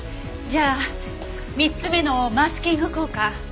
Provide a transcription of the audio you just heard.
じゃあ３つ目のマスキング効果。